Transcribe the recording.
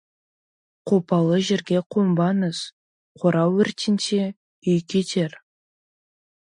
Қопалы жерге қонбаңыз, қора өртенсе, үй кетер.